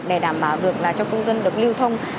để đảm bảo được cho công dân được lưu thông